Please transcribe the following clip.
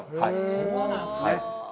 そうなんですね。